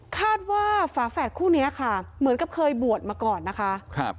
คาดว่าฝาแฝดคู่นี้ค่ะเหมือนกับเคยบวชมาก่อนนะคะ